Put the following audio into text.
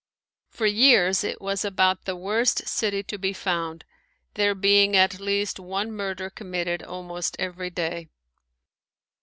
For years it was about the worst city to be found, there being at least one murder committed almost every day.